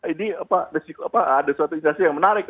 ini ada suatu instansi yang menarik